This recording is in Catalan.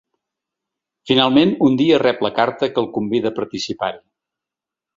Finalment, un dia rep la carta que el convida a participar-hi.